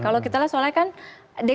kalau kemudian pak jokowi